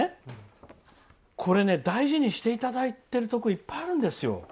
これ大事にしていただいているところ、いっぱいあるんですよ。